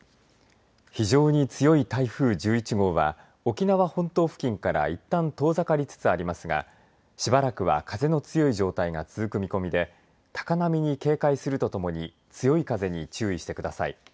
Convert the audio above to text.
非常に強い台風１１号は沖縄本島付近からいったん遠ざかりつつありますがしばらくは風が強い状態が続く見込みで高波に警戒するとともに強い風に注意してください。